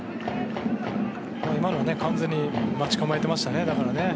今の完全に待ち構えてましたね。